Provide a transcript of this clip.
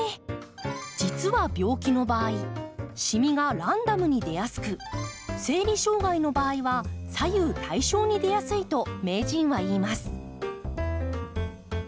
実は病気の場合しみがランダムに出やすく生理障害の場合は左右対称に出やすいと名人は言います。